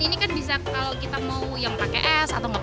ini kan bisa kalau kita mau yang pakai es atau nggak